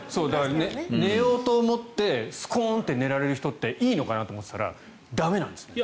寝ようと思ってスコーンと寝られる人っていいのかなって思ってたら駄目なんですって。